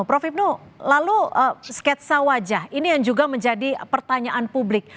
prof ibnu lalu sketsa wajah ini yang juga menjadi pertanyaan publik